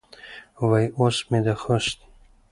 وایي اوس مې د خوست